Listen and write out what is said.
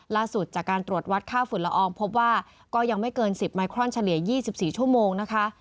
ล่าสุดจากการตรวจวัดค่าฝุ่นละอองพบว่าก็ยังไม่เกิน๑๐ไมครอนเฉลี่ย๒๔ชั่วโมงนะคะ